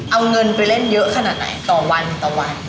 เอาเงินไปเล่นเยอะขนาดไหนต่อวันต่อวัน